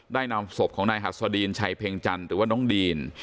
นำศพของนายหัสดีนชัยเพ็งจันทร์หรือว่าน้องดีน